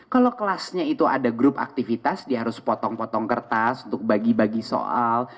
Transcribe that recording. kalau kelasnya itu ada grup aktivitas dia harus potong potong kertas untuk bagi bagi soal